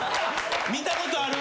見たことある！